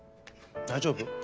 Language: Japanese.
大丈夫？